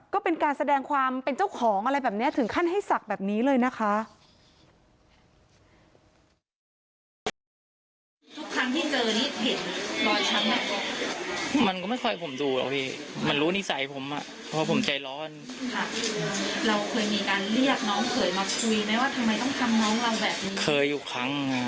ก็เป็นการแสดงความเป็นเจ้าของอะไรแบบนี้ถึงขั้นให้ศักดิ์แบบนี้เลยนะคะ